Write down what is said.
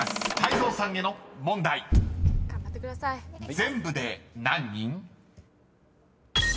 ［全部で何人？］